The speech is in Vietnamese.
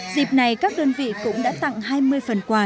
dịp này các đơn vị cũng đã tặng hai mươi phần quà